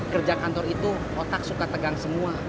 kerja kantor itu otak suka tegang semua